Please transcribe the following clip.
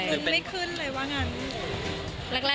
ลุ้นไม่ขึ้นเลยว่างานนี้